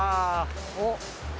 おっ。